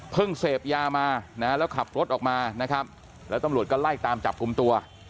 เสพยามานะแล้วขับรถออกมานะครับแล้วตำรวจก็ไล่ตามจับกลุ่มตัว